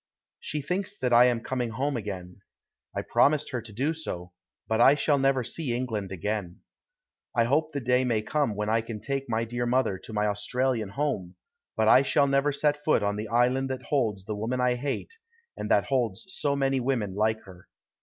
She thinks that I am coming home again. I promised her to do so, but I shall never see England again. I hope the day may come when I can take my dear mother to my Australian home, but I shall never set foot on the island that holds the woman I hate, and that holds so many women like her.